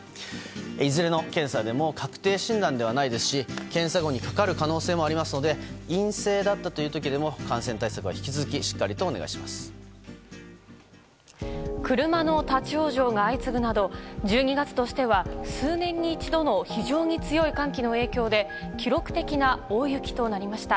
いずれの検査でも確定診断ではないですし検査後にかかる可能性もありますので陰性だったという時でも感染対策は車の立ち往生が相次ぐなど１２月としては数年に一度の非常に強い寒気の影響で記録的な大雪となりました。